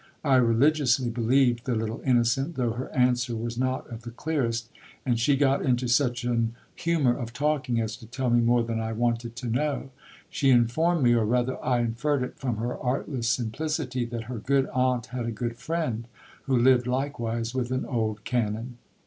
I religiously be lieved the little innocent, though her answer was not of the clearest ; and she got into such an humour of talking, as to tell me more than I wanted to know. She informed me, or rather I inferred it from her artless simplicity, that her good aunt had a good friend, who lived likewise with an old canon.